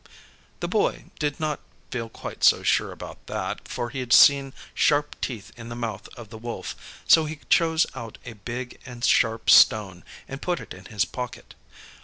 The Boy did not feel quite so sure about that, for he had seen sharp teeth in the mouth of the Wolf. So he chose out a big and sharp stone, and put it in his pocket.